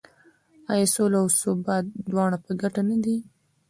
آیا سوله او ثبات د دواړو په ګټه نه دی؟